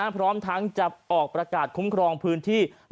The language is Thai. พร้อมทั้งจะออกประกาศคุ้มครองพื้นที่